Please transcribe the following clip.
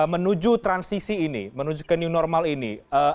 menuju transisi ini menuju ke new normal ini